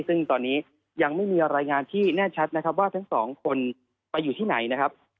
ซึ่งตอนนี้ยังไม่มีรายงานที่แน่ชัดว่าทั้งสองคนไปอยู่ที่ไหน